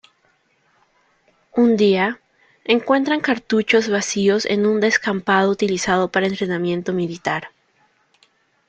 Un día, encuentran cartuchos vacíos en un descampado utilizado para entrenamiento militar.